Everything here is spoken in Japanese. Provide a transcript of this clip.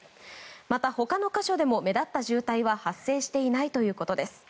また、他の箇所でも目立った渋滞は発生していないということです。